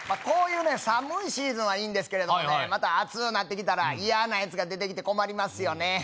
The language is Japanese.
こういう寒いシーズンはいいんですけれどねまた暑うなってきたら嫌なやつが出てきて困りますよね